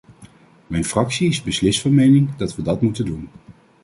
Mijn fractie is beslist van mening dat we dat moeten doen.